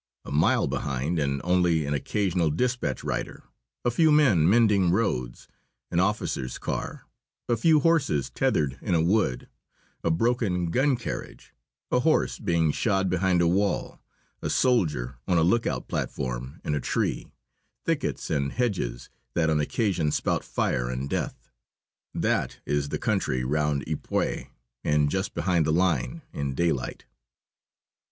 A mile behind, and only an occasional dispatch rider, a few men mending roads, an officer's car, a few horses tethered in a wood, a broken gun carriage, a horse being shod behind a wall, a soldier on a lookout platform in a tree, thickets and hedges that on occasion spout fire and death that is the country round Ypres and just behind the line, in daylight.